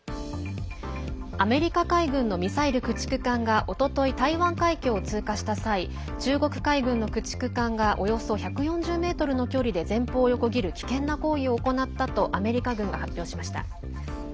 アメリカ海軍のミサイル駆逐艦がおととい、台湾海峡を通過した際中国海軍の駆逐艦がおよそ１４０ｍの距離で前方を横切る危険な行為を行ったとアメリカ軍が発表しました。